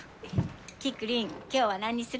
キクリン今日は何する？